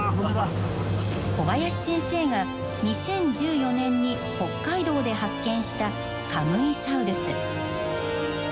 小林先生が２０１４年に北海道で発見したカムイサウルス。